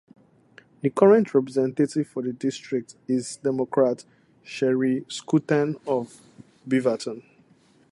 The current representative for the district is Democrat Sheri Schouten of Beaverton.